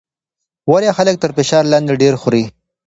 ولې خلک تر فشار لاندې ډېر خوري؟